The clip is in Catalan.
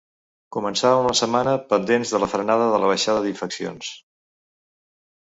Començàvem la setmana pendents de la frenada de la baixada d’infeccions.